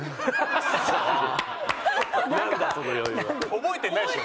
覚えてないでしょ？